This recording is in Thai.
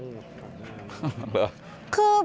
หรือ